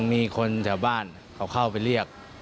มีคนแถวบ้านเขาเข้าไปเรียก